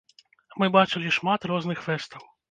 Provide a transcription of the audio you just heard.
Мы бачылі шмат розных фэстаў.